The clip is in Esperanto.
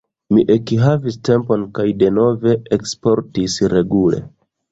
Mi ekhavis tempon kaj denove eksportis regule.